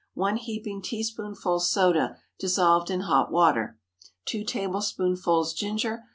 1 heaping teaspoonful soda dissolved in hot water. 2 tablespoonfuls ginger.